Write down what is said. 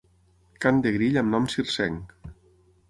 Cant de grill amb nom circenc.